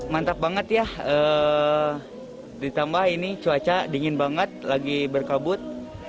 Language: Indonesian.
mantap banget ya ditambah ini cuaca dingin banget lagi berkabut